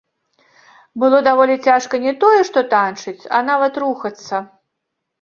Было даволі цяжка не тое, што танчыць, а нават рухацца.